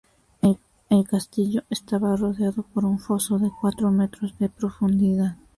El castillo estaba rodeado por un foso de cuatro metros de profundidad.